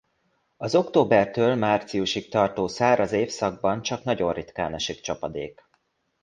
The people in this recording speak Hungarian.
Az októbertől márciusig tartó száraz évszakban csak nagyon ritkán esik csapadék.